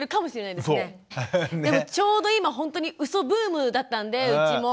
ちょうど今ほんとにうそブームだったんでうちも。